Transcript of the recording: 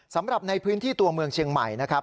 สำหรับในพื้นที่ตัวเมืองเชียงใหม่นะครับ